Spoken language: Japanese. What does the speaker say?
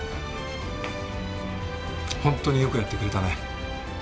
本当によくやってくれたね。